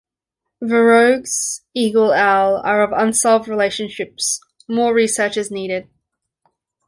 Verreaux's eagle-owl - are of unresolved relationships, more research is needed.